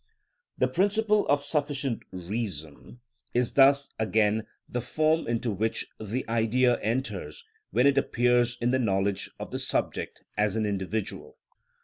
The principle of sufficient reason is thus again the form into which the Idea enters when it appears in the knowledge of the subject as individual.